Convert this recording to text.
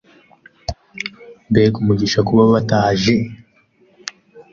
Mbega umugisha kuba bataje.